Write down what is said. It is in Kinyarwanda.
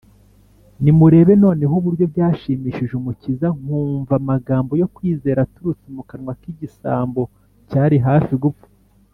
” nimurebe noneho uburyo byashimishije umukiza kumva amagambo yo kwizera aturutse mu kanwa k’igisambo cyari hafi gupfa!